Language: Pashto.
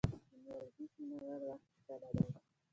د نیالګي کینولو وخت کله دی؟